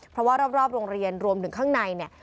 เพราะว่ารอบโรงเรียนรวมถึงข้างในเนี่ย